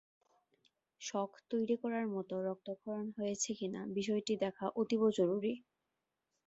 শক তৈরি করার মতো রক্তক্ষরণ হয়েছে কি না বিষয়টি দেখা অতীব জরুরি।